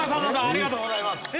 ありがとうございます。